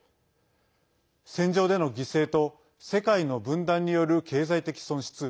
戦場での犠牲と世界の分断による経済的損失。